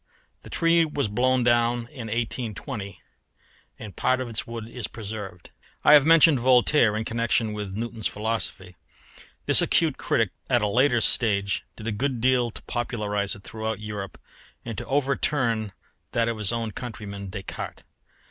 The tree was blown down in 1820 and part of its wood is preserved. I have mentioned Voltaire in connection with Newton's philosophy. This acute critic at a later stage did a good deal to popularise it throughout Europe and to overturn that of his own countryman Descartes.